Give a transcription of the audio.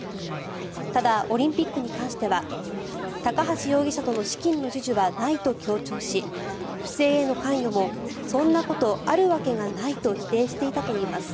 ただ、オリンピックに関しては高橋容疑者との資金の授受はないと強調し不正への関与もそんなことあるわけがないと否定していたといいます。